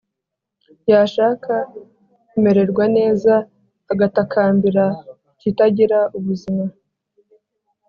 Yashaka kumererwa neza, agatakambira ikitagira ubuzima;